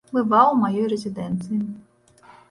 Бываў у маёй рэзідэнцыі.